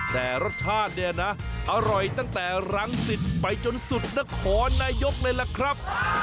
แต่รสชาติเนี่ยนะอร่อยตั้งแต่รังสิตไปจนสุดนครนายกเลยล่ะครับ